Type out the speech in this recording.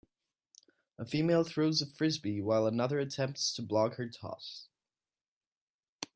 a female throws a frisbee while another attempts to block her toss.